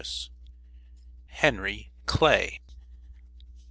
HENRY CLAY.